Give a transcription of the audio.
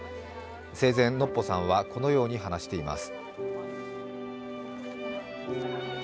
生前、のっぽさんはこのように話しています。